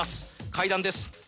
階段です。